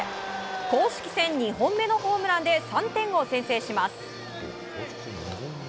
公式戦２本目のホームランで３点を先制します。